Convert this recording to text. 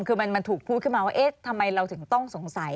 คือมันถูกพูดขึ้นมาว่าเอ๊ะทำไมเราถึงต้องสงสัย